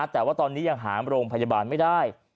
แต่ว่าตอนนี้ยังหาโรงพยาบาลไม่ได้